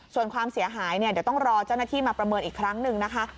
ส่วนความเสียหายเนี่ยเดี๋ยวต้องรอเจ้าหน้าที่มาประเมินอีกครั้งหนึ่งนะคะ